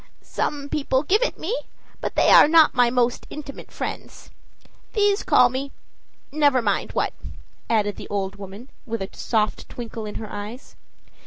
"Some people give it me, but they are not my most intimate friends. These call me never mind what," added the old woman, with a soft twinkle in her eyes.